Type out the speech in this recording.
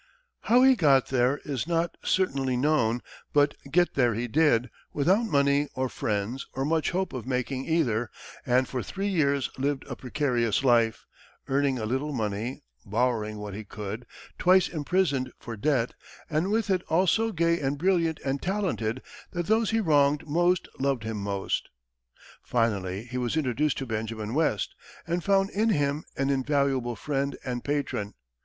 How he got there is not certainly known, but get there he did, without money or friends, or much hope of making either, and for three years lived a precarious life, earning a little money, borrowing what he could, twice imprisoned for debt, and with it all so gay and brilliant and talented that those he wronged most loved him most. Finally, he was introduced to Benjamin West, and found in him an invaluable friend and patron.